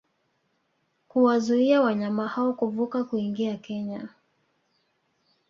kuwazuia wanyama hao kuvuka kuingia Kenya